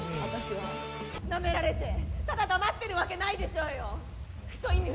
ナメられて、ただ黙ってるわけないでしょうよ！